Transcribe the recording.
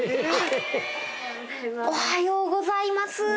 おはようございます。